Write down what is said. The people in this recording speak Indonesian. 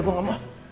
gue gak mau